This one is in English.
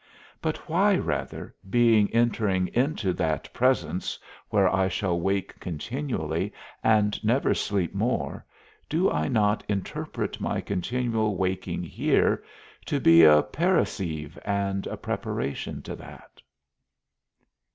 But why rather, being entering into that presence where I shall wake continually and never sleep more, do I not interpret my continual waking here, to be a parasceve and a preparation to that?